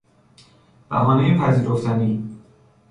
بهانهی پذیرفتنی